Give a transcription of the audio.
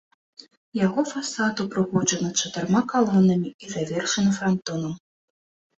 Яго фасад упрыгожаны чатырма калонамі і завершаны франтонам.